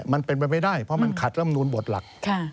มันเป็นไปไม่ได้เพราะมันขัดลำนูนบทหลัก